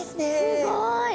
すごい。